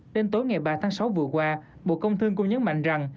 đến tối ngày ba tháng sáu vừa qua bộ công thương cũng nhấn mạnh rằng